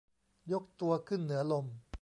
ยกตัวขึ้นเหนือลม